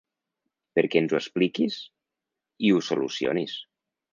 Perquè ens ho expliquis i… ho solucionis.